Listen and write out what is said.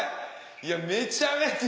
いやめちゃめちゃ。